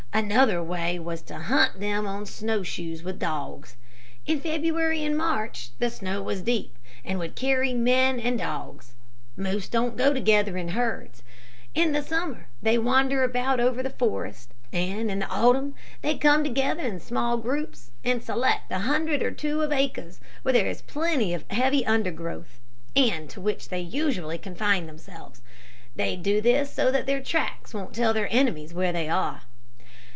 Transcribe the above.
"Another way was to hunt them on snow shoes with dogs. In February and March the snow was deep, and would carry men and dogs. Moose don't go together in herds. In the summer they wander about over the forest, and in the autumn they come together in small groups, and select a hundred or two of acres where there is plenty of heavy undergrowth, and to which they usually confine themselves. They do this so that their tracks won't tell their enemies where they are.